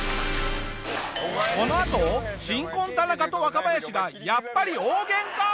このあと新婚田中と若林がやっぱり大ゲンカ！